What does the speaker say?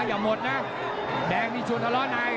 อย่าหมดนะแดงนี่ชวนทะเลาะใน